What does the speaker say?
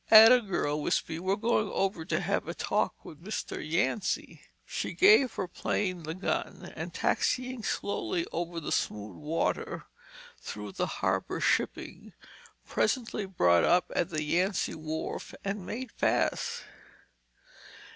"Atta girl, Wispy! We're going over to have a talk with Mr. Yancy." She gave her plane the gun and taxiing slowly over the smooth water, through the harbor shipping, presently brought up at the Yancy wharf and made fast.